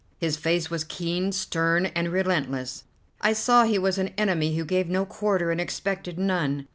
His face was keen, stern, and relentless; I saw he was an enemy who gave no quarter and expected none.